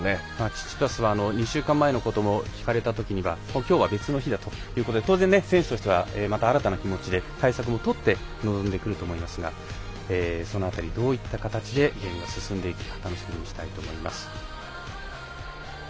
チチパスは２週間前のことを聞かれたときにはきょうは別の日だということで当然、選手としてはまた新たな気持ちで対策もとって臨んでくると思いますがその辺り、どういった形でゲームが進んでいくか見ていきたいと思います。